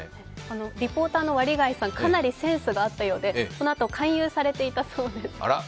リポーターの割貝さんかなりセンスがあったようでそのあと勧誘されていたそうです。